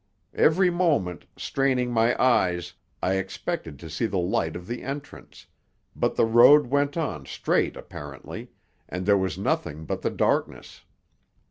Every moment, straining my eyes, I expected to see the light of the entrance, but the road went on straight apparently, and there was nothing but the darkness.